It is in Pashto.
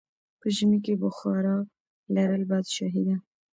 په ژمی کې بخارا لرل پادشاهي ده.